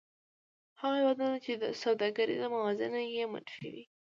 هغه هېوادونه چې سوداګریزه موازنه یې منفي وي